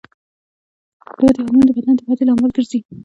د ودې هورمون د بدن د ودې لامل ګرځي.